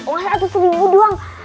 wah satu seribu doang